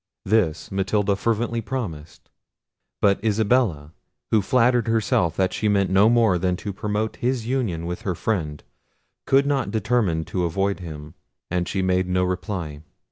This Matilda fervently promised: but Isabella, who flattered herself that she meant no more than to promote his union with her friend, could not determine to avoid him; and made no reply.